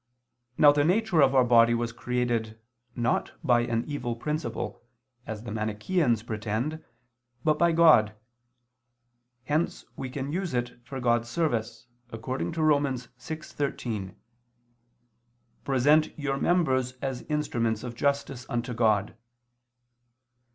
Now the nature of our body was created, not by an evil principle, as the Manicheans pretend, but by God. Hence we can use it for God's service, according to Rom. 6:13: "Present ... your members as instruments of justice unto God."